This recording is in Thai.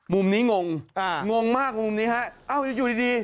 มุมนี้งงอ่างงมากมุมนี้ฮะอ้าวอยู่อยู่ดีดี